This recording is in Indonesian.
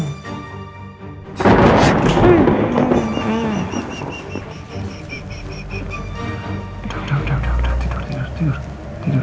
udah udah udah tidur tidur tidur